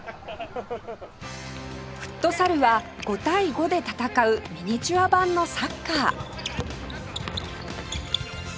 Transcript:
フットサルは５対５で戦うミニチュア版のサッカー